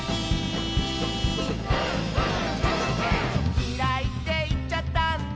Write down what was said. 「きらいっていっちゃったんだ」